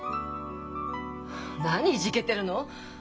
何いじけてるの？